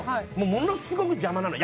ものすごく邪魔なの。